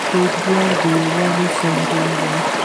فوټبال د یووالي سمبول دی.